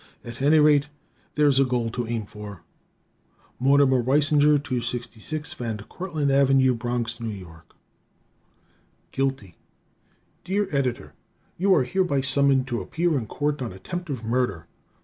At any rate, there's a goal to aim for. Mortimer Weisinger, 266 Van Cortlandt Ave., Bronx, N. Y. Guilty Dear Editor: You are hereby summoned to appear in Court on attempt of murder.